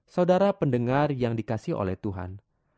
saudara pendengar yang dikasih oleh tuhan